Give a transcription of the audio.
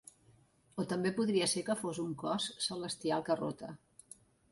O també podria ser que fos un cos celestial que rota.